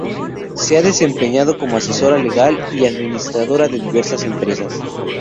Se ha desempeñado como asesora legal y administradora de diversas empresas.